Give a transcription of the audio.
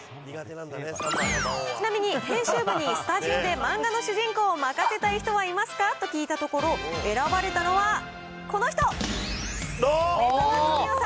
ちなみに編集部に、スタジオで漫画の主人公を任せたい人はいますか？と聞いたところ、選ばれたのはこの人！